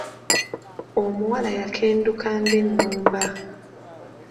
Omuwala yakenduka ng'ennumba.